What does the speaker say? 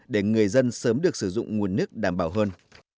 để người dân sớm được sử dụng nguồn nước đảm bảo hơn